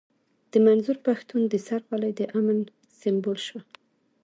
د منظور پښتين د سر خولۍ د امن سيمبول شوه.